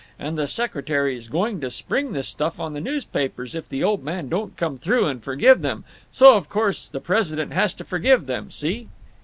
—and the secretary's going to spring this stuff on the newspapers if the old man don't come through and forgive them; so of course the president has to forgive them, see?"